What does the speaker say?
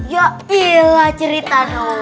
ya allah cerita